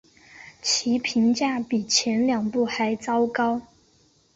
其评价比前两部还糟糕。